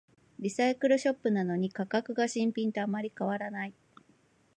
リサイクルショップなのに価格が新品とあまり変わらない